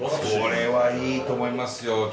これはいいと思いますよ。